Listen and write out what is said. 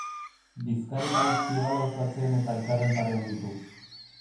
Bizkar eta uzki-hegala oso atzean eta elkarren parean ditu.